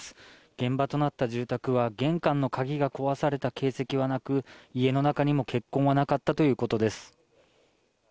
現場となった住宅は玄関の鍵が壊された形跡はなく家の中にも血痕はなかったということです。